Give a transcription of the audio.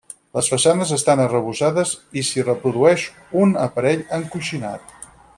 Les façanes estan arrebossades i s'hi reprodueix un aparell encoixinat.